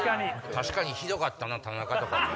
確かにひどかったな田中とか。